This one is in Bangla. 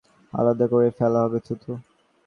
তোমার আর আমার ধড় থেকে মুন্ডু আলাদা করে ফেলা হবে!